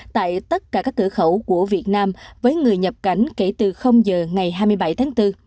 tại tất cả các cửa khẩu của việt nam với người nhập cảnh kể từ giờ ngày hai mươi bảy tháng bốn